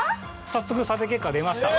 早速査定結果が出ました。